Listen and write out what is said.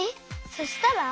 そしたら？